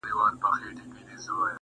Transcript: ناکامي د بریا زینه کېدای شي.